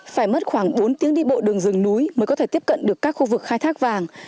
phải mất khoảng bốn tiếng đi bộ đường rừng núi mới có thể tiếp cận được các khu vực khai thác vàng